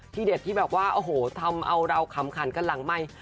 ที่เด็ดที่แบบว่าโอ้โหทำเอาเราขำขันกันหลังใหม่